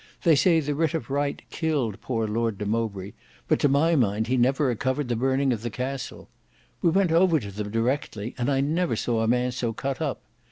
They say the writ of right killed poor Lord de Mowbray, but to my mind he never recovered the burning of the Castle. We went over to them directly, and I never saw a man so cut up.